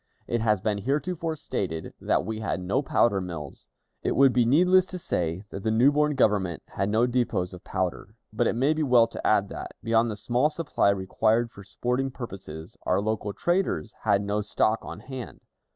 It has been heretofore stated that we had no powder mills. It would be needless to say that the new born Government had no depots of powder, but it may be well to add that, beyond the small supply required for sporting purposes, our local traders had no stock on hand.